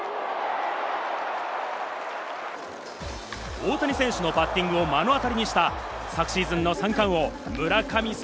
大谷選手のバッティングを目の当たりにした昨シーズンの三冠王・村神様